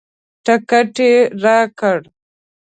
ټکټ یې راکړ.